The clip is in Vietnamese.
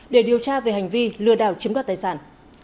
để điều tra về hành vi lừa đảo chiếm đoạt tài sản